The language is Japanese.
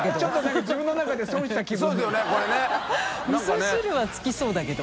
みそ汁は付きそうだけど。